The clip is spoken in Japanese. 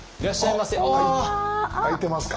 空いてますか？